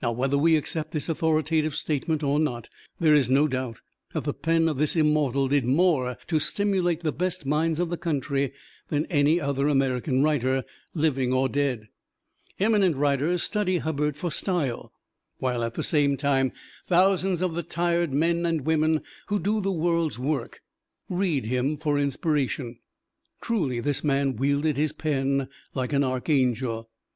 Whether we accept this authoritative statement or not, there is no doubt that the pen of this immortal did more to stimulate the best minds of the country than any other American writer, living or dead. Eminent writers study Hubbard for style, while at the same time thousands of the tired men and women who do the world's work read him for inspiration. Truly, this man wielded his pen like an archangel.